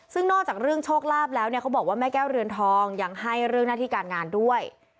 ซึ่งนอกจากเรื่องโชคลาภแล้วเนี่ยเขาบอกว่าแม่แก้วเรือนทองยังให้เรื่องหน้าที่การงานด้วย